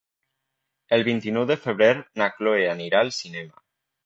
El vint-i-nou de febrer na Chloé anirà al cinema.